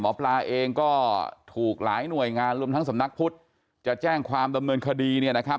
หมอปลาเองก็ถูกหลายหน่วยงานรวมทั้งสำนักพุทธจะแจ้งความดำเนินคดีเนี่ยนะครับ